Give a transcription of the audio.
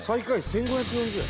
１５４０円